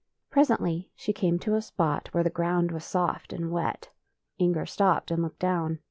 Presently she came to a spot where the gi'ound was soft and wet. Inger stopped and looked down.